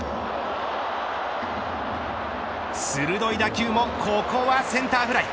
鋭い打球もここはセンターフライ。